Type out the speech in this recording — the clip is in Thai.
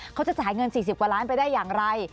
เขาจะจ่ายเงิน๔๐กว่าล้านไปได้อย่างไร